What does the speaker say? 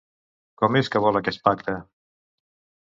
Com és que vol aquest pacte?